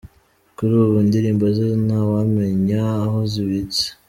Kuri ubu indirimbo ze ntawamenya aho zibitse.